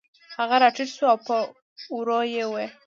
هغه راټیټ شو او په ورو یې وویل